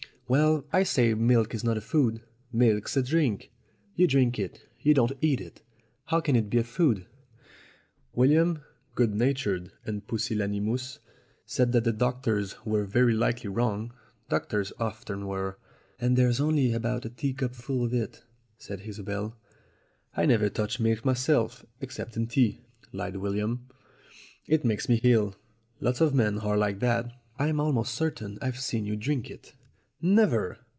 "Well, I say milk is not a food. Milk's a drink. You drink it; you don't eat it. How can it be a food?" William good natured and pusillanimous said that the doctors were very likely wrong; doctors often were. "And there's only about a teacupful of it," said Isobel. "I never touch milk myself, except in tea," lied 262 STORIES WITHOUT TEARS William. "It makes me ill. Lots of men are like that." "I'm almost certain I've seen you drink it." "Never.